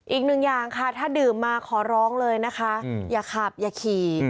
อีกหนึ่งอย่างค่ะถ้าดื่มมาขอร้องเลยนะคะอย่าขับอย่าขี่